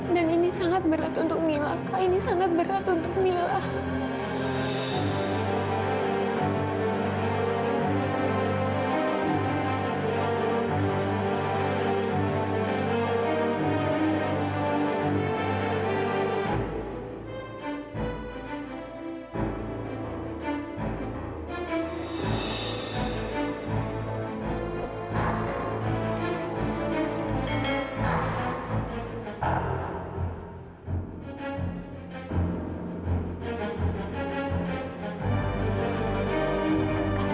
dan ini sangat berat untuk mila kak ini sangat berat untuk mila